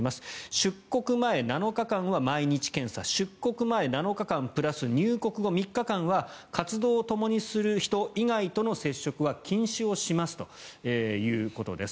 出国前７日間は毎日検査出国前７日間プラス入国後３日間は活動をともにする人以外との接触は禁止をしますということです。